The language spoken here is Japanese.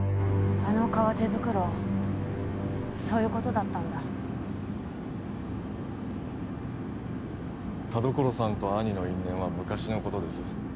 あの革手袋そういうことだったんだ田所さんと兄の因縁は昔のことです